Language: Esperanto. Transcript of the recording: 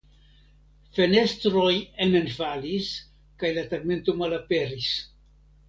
Fenestroj enenfalis kaj la tegmento malaperis.